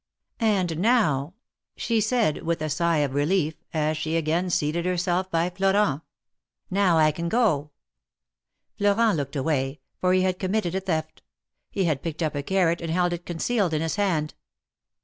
'^And now," she said, with a sigh of relief, as she again seated herself by Florent; now I can go." Florent looked away, for he had committed a theft. He had picked up a carrot and held it concealed in his hand.